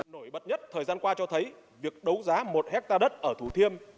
nổi bật nhất thời gian qua cho thấy việc đấu giá một hectare đất ở thủ thiêm